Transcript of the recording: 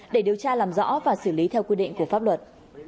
để điều tra làm rõ và xử lý theo quy định của pháp luật